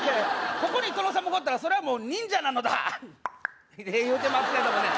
ここに殿様がおったらそれはもう忍者なのだいうてますけどもね